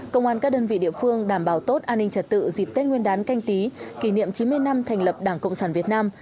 công an các đơn vị địa phương đảm bảo tốt an ninh trật tự dịp tết nguyên đán canh tí kỷ niệm chín mươi năm thành lập đảng cộng sản việt nam